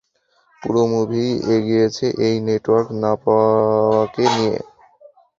পুরো মুভিই এগিয়েছে এই নেটওয়ার্ক না পাওয়াকে নিয়ে।